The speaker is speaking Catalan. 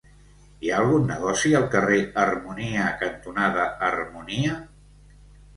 Hi ha algun negoci al carrer Harmonia cantonada Harmonia?